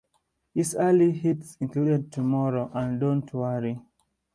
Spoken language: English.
His early hits included "Tomorrow" and "Don't Worry".